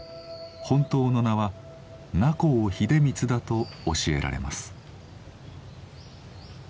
本当の名は名幸秀光だと教えられます。